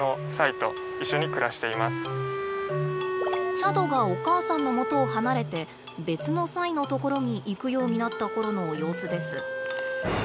チャドがお母さんのもとを離れて別のサイの所に行くようになった頃の様子です。